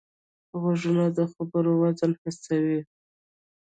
غوږونه د خبرو وزن حس کوي